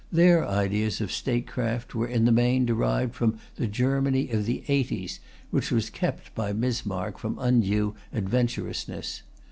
Their ideas of statecraft were in the main derived from the Germany of the 'eighties, which was kept by Bismarck from undue adventurousness.